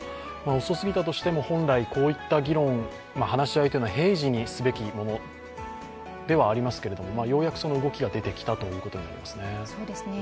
遅すぎたとしても、本来こういった議論、話し合いは平時にすべきものではありますけれども、ようやくその動きが出てきたということになりますね。